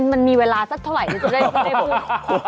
มันมีเวลาสักเท่าไหร่จะได้พูด